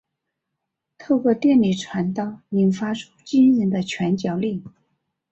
透过电力传导引发出惊人的拳脚力。